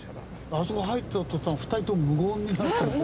あそこ入った途端２人とも無言になっちゃって。